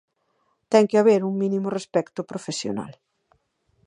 Ten que haber un mínimo respecto profesional.